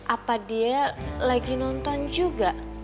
apa dia lagi nonton juga